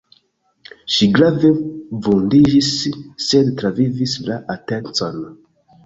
Ŝi grave vundiĝis, sed travivis la atencon.